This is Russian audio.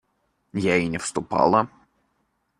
Я и не вступала.